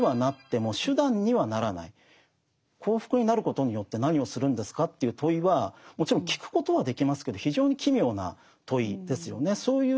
幸福になることによって何をするんですかという問いはもちろん聞くことはできますけど非常に奇妙な問いですよね。